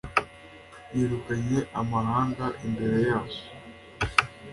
Yirukanye amahanga imbere yabo